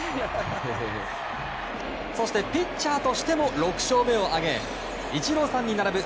そしてピッチャーとしても６勝目を挙げイチローさんに並ぶ